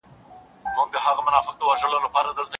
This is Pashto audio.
چي له قاصده مي لار ورکه تر جانانه نه ځي